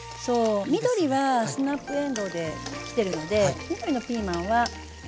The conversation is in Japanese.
緑はスナップえんどうできてるので緑のピーマンは使わず。